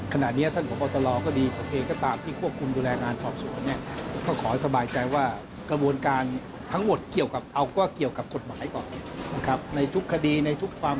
ขอประทานโทษโดยเกี่ยวการทำงานสอบสวนในเบื้องต้นนะครับ